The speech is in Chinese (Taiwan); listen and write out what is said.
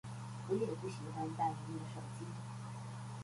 我也不喜歡大螢幕的手機